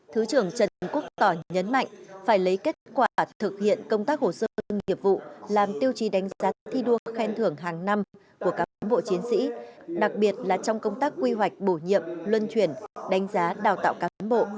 thứ trưởng trần quốc tỏ nhấn mạnh phải lấy kết quả thực hiện công tác hồ sơ nghiệp vụ làm tiêu chí đánh giá thi đua khen thưởng hàng năm của các cán bộ chiến sĩ đặc biệt là trong công tác quy hoạch bổ nhiệm luân chuyển đánh giá đào tạo cán bộ